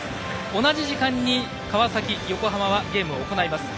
同じ時間に川崎、横浜がゲームを行います。